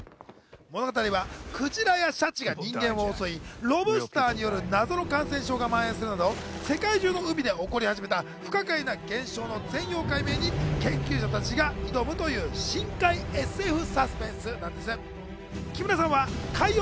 物語はクジラやシャチが人間を襲い、ロブスターによる謎の感染症がまん延するなど、世界中の海で起こり始めた不可解な現象に全容解明に研究者たちが挑むという深海ＳＦサスペンスなんです。